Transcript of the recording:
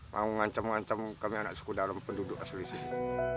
mau ngancam ngancam kami anak suku dalam penduduk asli sini